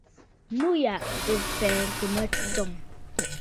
Nû yà ɨ̀ fɛ̀ɛ̀ŋkə̀ mə̂ tsɨ̂tsɔ̀ŋə̀.